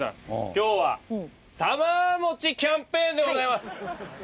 今日はサマーもちキャンペーンでございます！